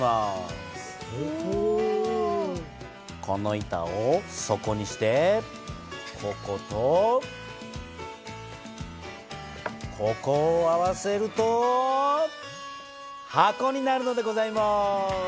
この板を底にしてこことここを合わせると箱になるのでございます！